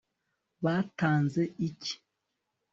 batanze iki